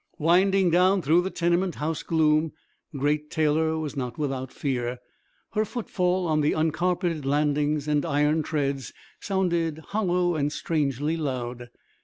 Winding down through the tenement house gloom, Great Taylor was not without fear. Her footfall on the uncarpeted landings and iron treads sounded hollow and strangely loud.